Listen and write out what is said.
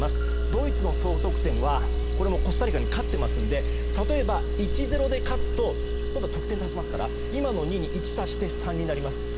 ドイツの総得点はコスタリカに勝っていますので例えば１ー０で勝つと今度は得点足しますから今の２に１足して３になります。